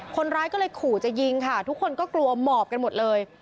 คนร้ายก็เลยขู่จะยิงค่ะทุกคนก็กลัวหมอบกันหมดเลย